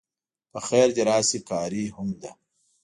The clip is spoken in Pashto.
په خیر د راشی قاری هم ده